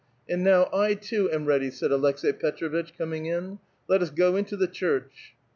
'* And now, I, too, am ready," said Aleks^i Petr6vitch, coming in. " Let us go into the church."